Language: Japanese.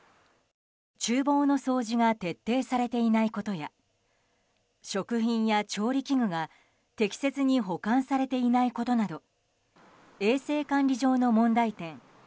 厨房の掃除が徹底されていないことや食品や調理器具が適切に保管されていないことなど衛生管理上の問題点